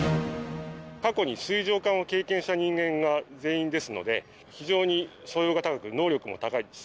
過去に水上艦を経験した人間が全員ですので、非常に素養が高く、能力も高いです。